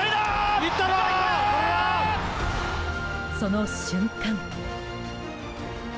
その瞬間。